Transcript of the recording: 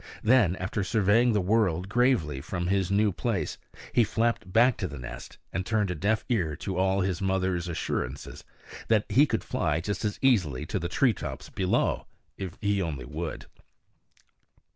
Then, after surveying the world gravely from his new place, he flapped back to the nest, and turned a deaf ear to all his mother's assurances that he could fly just as easily to the tree tops below, if he only would.